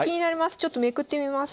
ちょっとめくってみます。